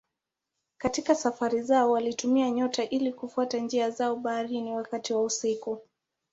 Katika safari zao walitumia nyota ili kufuata njia zao baharini wakati wa usiku.